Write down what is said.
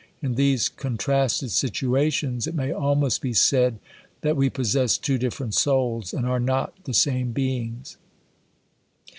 In these contrasted situations, it may almost be said, that we possess two different souls, and are not the same beings.